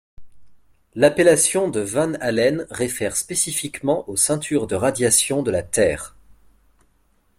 L’appellation de Van Allen réfère spécifiquement aux ceintures de radiation de la Terre.